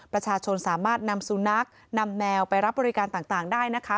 ประชาชนสามารถนำสุนัขนำแมวไปรับบริการต่างได้นะคะ